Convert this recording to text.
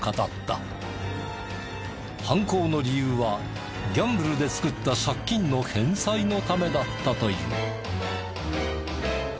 犯行の理由はギャンブルで作った借金の返済のためだったという。